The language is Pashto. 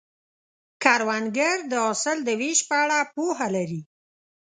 کروندګر د حاصل د ویش په اړه پوهه لري